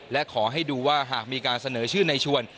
และขอให้ดูว่าหากมีการเสนอชื่อในชวน